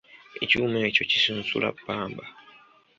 Ekyuma ekyo kisunsula ppamba.